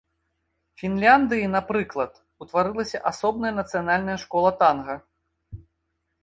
Фінляндыі, напрыклад, утварылася асобная нацыянальная школа танга.